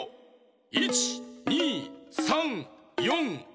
１２３４５６。